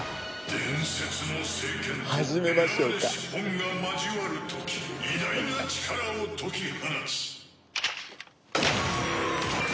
「伝説の聖剣と選ばれし本が交わる時偉大な力を解き放つ！」